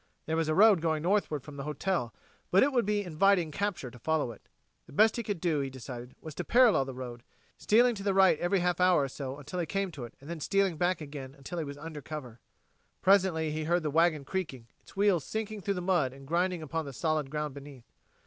There was a road going northward from the hotel, but it would be inviting capture to follow it. The best he could do, he decided, was to parallel the road, stealing to the right every half hour or so until he came to it, then stealing back again until he was under cover. Presently he heard the wagon creaking, its wheels sinking through the mud and grinding upon the solid ground beneath.